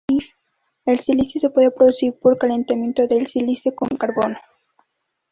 El silicio se puede producir por calentamiento de sílice con carbono.